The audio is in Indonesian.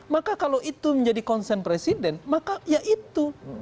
maka kalau itu menjadi konsen presiden maka ya itu